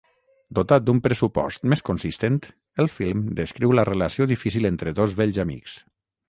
Dotat d'un pressupost més consistent, el film descriu la relació difícil entre dos vells amics.